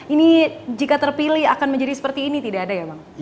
ini jika terpilih akan menjadi seperti ini tidak ada ya bang